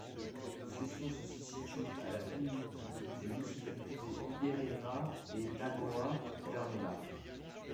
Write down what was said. Ses sources se situent à la limite des municipalités de Ibiraiaras et Lagoa Vermelha.